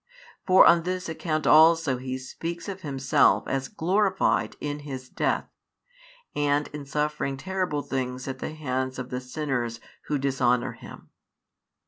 For on this account also He speaks of Himself as glorified in His Death, and in suffering terrible things at the hands of the sinners who dishonour Him.